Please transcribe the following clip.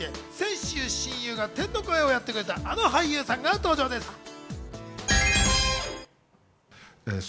先週、親友が天の声をやってくれたあの俳優さんが登場です。